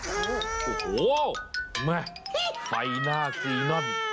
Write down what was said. โอ้โหแม่ไฟหน้าซีนอน